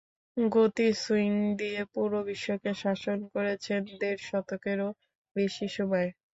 গতি সুইং দিয়ে পুরো বিশ্বকে শাসন করেছেন দেড় দশকেরও বেশি সময়।